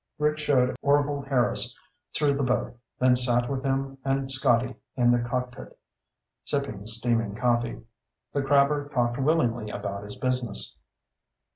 Rick showed Orvil Harris through the boat, then sat with him and Scotty in the cockpit, sipping steaming coffee. The crabber talked willingly about his business.